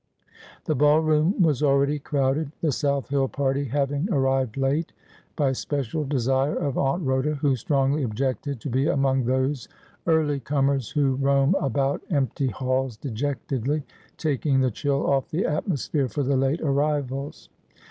The ball room was already crowded, the South Hill party having arrived late, by special desire of Aunt Rhoda, who strongly objected to be among those early comers who roam about empty halls dejectedly, taking the chill off the atmosphere for the late arrivals.